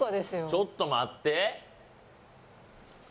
ちょっと待って。